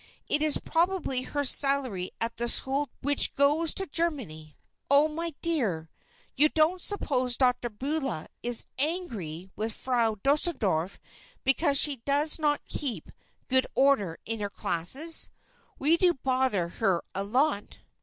It is probably her salary at the school which goes to Germany. Oh, my dear! you don't suppose Dr. Beulah is angry with Frau Deuseldorf because she does not keep good order in her classes? We do bother her a lot."